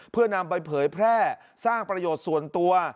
เพื่อนำไปเผยแพร่สร้างประโยชน์ส่วนตัว